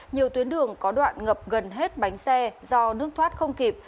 nhiều tuyến đường có đoạn ngập gần hết bánh xe do nước thoát không kịp